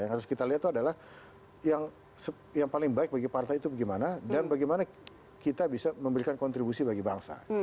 yang harus kita lihat itu adalah yang paling baik bagi partai itu bagaimana dan bagaimana kita bisa memberikan kontribusi bagi bangsa